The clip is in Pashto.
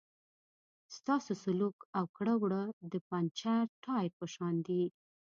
ستاسو سلوک او کړه وړه د پنچر ټایر په شان دي.